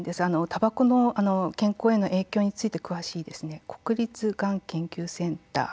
たばこの健康への影響について詳しい国立がん研究センター